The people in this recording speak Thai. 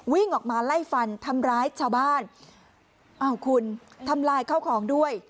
วิ่งออกมาไล่ฟันทำร้ายชาวบ้านอ้าวคุณทำลายข้าวของด้วย